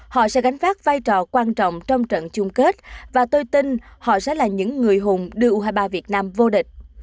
họ sẽ gánh vác vai trò quan trọng trong trận chung kết và tôi tin họ sẽ là những người hùng đưa u hai mươi ba việt nam vô địch